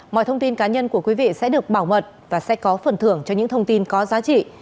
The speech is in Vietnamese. mọi thông tin cá nhân của quý vị sẽ được bảo mật và sẽ có phần thưởng cho những thông tin có giá trị